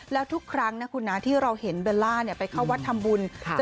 และทุกครั้งที่เราเห็นเบลล่าไปเข้าวัดทำบุญ